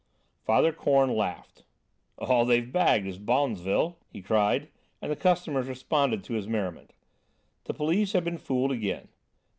Father Korn laughed. "All they've bagged is Bonzville!" he cried, and the customers responded to his merriment. The police had been fooled again.